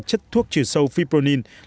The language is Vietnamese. chất thuốc trừ sâu phypronin